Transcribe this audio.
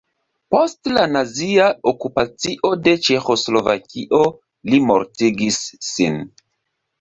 Post la nazia okupacio de Ĉeĥoslovakio li mortigis sin.